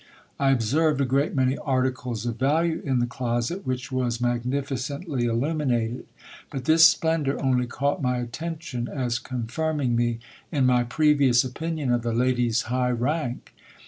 I observed a great many articles of value in the closet, which was magnificently illuminated ; but this splendour only caught my attention as confirming me in my previous opinion of the lady's high rank.